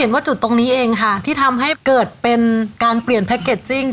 ว่าจุดตรงนี้เองค่ะที่ทำให้เกิดเป็นการเปลี่ยนแพ็คเกจจิ้ง